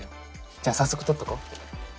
じゃ早速撮っとこう。